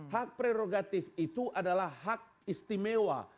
hak prerogatif itu adalah hak istimewa